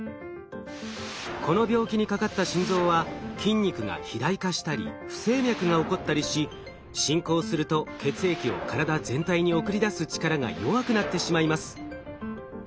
この病気にかかった心臓は筋肉が肥大化したり不整脈が起こったりし進行すると血液を体全体に送り出す力が弱くなってしまいます。